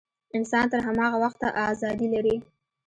انسان تر هماغه وخته ازادي لري.